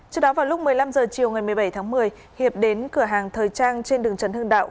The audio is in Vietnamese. trước đó vào lúc một mươi năm h chiều ngày một mươi bảy tháng một mươi hiệp đến cửa hàng thời trang trên đường trần hưng đạo